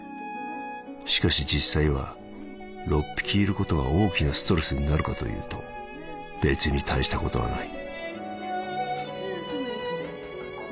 しかし実際は六匹いることが大きなストレスになるかというと別に大したことはない」。